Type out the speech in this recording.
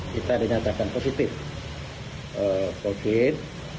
kita dinyatakan positif covid sembilan belas